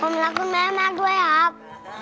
ผมรักคุณแม่มากด้วยครับ